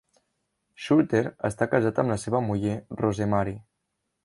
Schulter està casat amb la seva muller Rosemary.